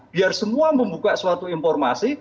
biar semua membuka suatu informasi